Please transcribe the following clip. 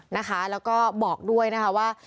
แล้วก็บอกด้วยนะคะว่า